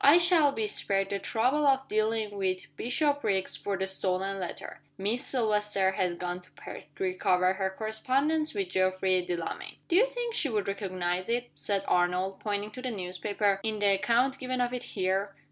I shall be spared the trouble of dealing with Bishopriggs for the stolen letter. Miss Silvester has gone to Perth, to recover her correspondence with Geoffrey Delamayn." "Do you think she would recognize it," said Arnold, pointing to the newspaper, "in the account given of it here?"